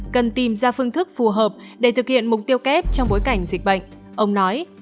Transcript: cần tìm ra phương thức phù hợp để thực hiện mục tiêu kép trong bối cảnh dịch bệnh ông nói